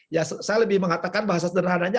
ya saya lebih mengatakan bahasa sederhananya